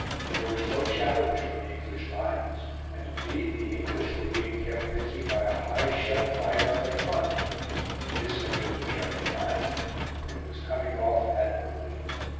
There was no challenge from the English lines; and indeed the English were being kept busy by a high shell fire on their front. This had been the German plan; and it was coming off admirably.